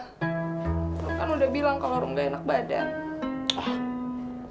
lu kan udah bilang kalau rum gak enak badan